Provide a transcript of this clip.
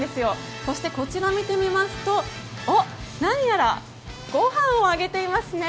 そしてこちら見てみますと、何やらごはんをあげていますね。